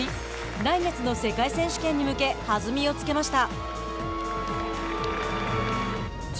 来月の世界選手権に向け弾みをつけました。